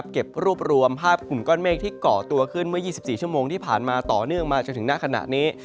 เก็บรวบรวมภาพกลุ่มก้อนเมฆที่เกาะตัวขึ้นเมื่อ๒๔ชั่วโมงที่ผ่านมาต่อเนื่องมาจนถึงหน้าขณะนี้